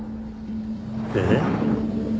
えっ？